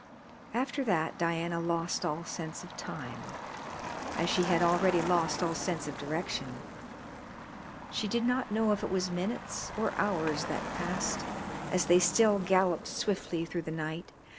After that Diana lost all sense of time, as she had already lost all sense of direction. She did not know if it was minutes or hours that passed as they still galloped swiftly through the night.